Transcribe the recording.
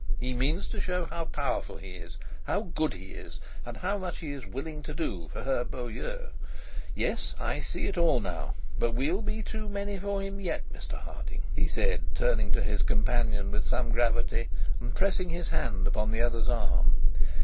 He means to show how powerful he is, how good he is, and how much he is willing to do for her beaux yeux; yes, I see it all now. But we'll be too many for him yet, Mr Harding;' he said, turning to his companion with some gravity, and pressing his hand on the other's arm.